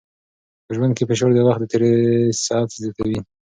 په ژوند کې فشار د وخت د تېري سرعت زیاتوي.